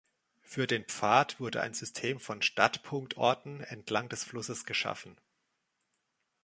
Für den Pfad wurde ein System von Startpunktorten entlang des Flusses geschaffen.